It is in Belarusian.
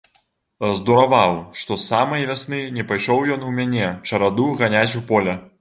Здураваў, што з самай вясны не пайшоў ён у мяне чараду ганяць у поле.